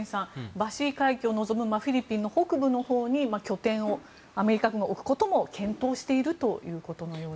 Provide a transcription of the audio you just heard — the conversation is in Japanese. バシー海峡を望むフィリピンの北部のほうに拠点をアメリカ軍は置くことも検討しているということのようです。